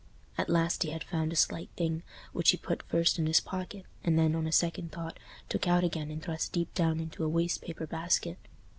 At last he had found a slight thing, which he put first in his pocket, and then, on a second thought, took out again and thrust deep down into a waste paper basket.